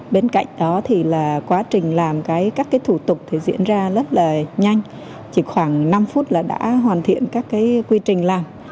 bên cạnh đó quá trình làm các thủ tục diễn ra rất là nhanh chỉ khoảng năm phút đã hoàn thiện các quy trình làm